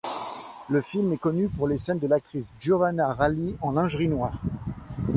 Le film est connu pour les scenes de l'actrice Giovanna Ralli en lingerie noir.